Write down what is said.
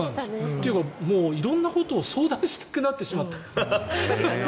というか色んなことを相談したくなってしまった。